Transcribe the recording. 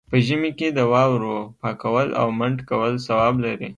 په ژمي کې د واورو پاکول او منډ کول ثواب لري.